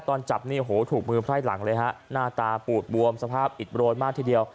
ตอนจับเนี่ยโหถูกมือไพร่หลังเลยฮะหน้าตาปูดบวมสภาพอิดโรยมากทีเดียว